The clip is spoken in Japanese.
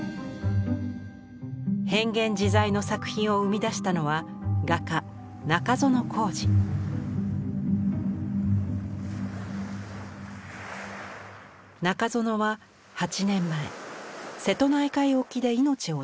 変幻自在の作品を生み出したのは中園は８年前瀬戸内海沖で命を落としました。